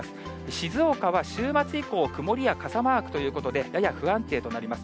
静岡は週末以降、曇りや傘マークということで、やや不安定となります。